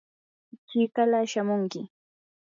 chikala shamunki.